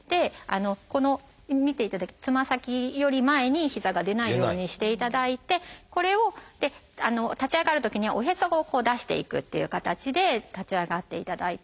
このつま先より前に膝が出ないようにしていただいてこれを立ち上がるときにはおへそを出していくっていう形で立ち上がっていただいて。